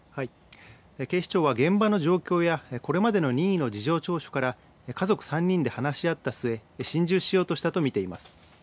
警視庁は現場の状況やこれまでの任意の事情聴取から家族３人で話し合った末、心中しようとしたと見ています。